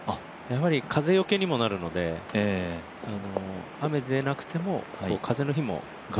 風よけにもなるので雨でなくても風の日も。